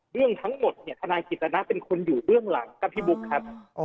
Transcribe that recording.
เรื่องทั้งหมดเนี่ยทนายกิจนะเป็นคนอยู่เบื้องหลังครับพี่บุ๊คครับ